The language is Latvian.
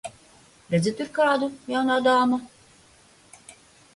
Redzi tur kādu, jaunā dāma?